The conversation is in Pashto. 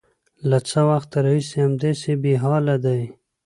_له څه وخته راهيسې همداسې بېحاله دی؟